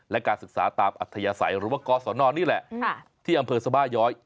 และการศึกษาตามอัธยาศัยหรือว่ากศนนี่แหละที่อำเภอสบาย้อย